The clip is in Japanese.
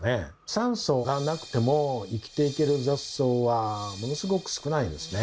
酸素がなくても生きていける雑草はものすごく少ないんですね。